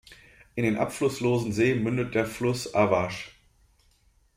In den abflusslosen See mündet der Fluss Awash.